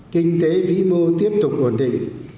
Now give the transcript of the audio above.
kinh tế vĩ mô tiếp tục ổn định